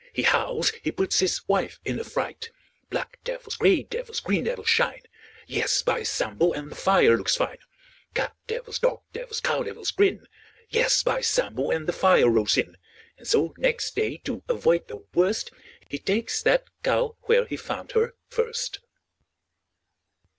He howls. He puts his wife in a fright. Black devils, grey devils, green devils shine — Yes, by Sambo, And the fire looks fine! Cat devils, dog devils, cow devils grin — Yes, by Sambo, And the fire rolls in. 870911 100 VACHEL LINDSAY And so, next day, to avoid the worst — He ta'kes that cow Where he found her first.